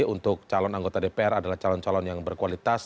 untuk calon anggota dpr adalah calon calon yang berkualitas